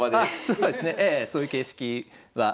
そうですねええそういう形式は。